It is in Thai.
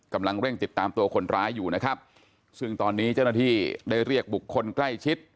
กำลังเร่งติดตามตัวคนร้ายอยู่นะครับซึ่งตอนนี้เจ้าหน้าที่ได้เรียกบุคคลใกล้ชิด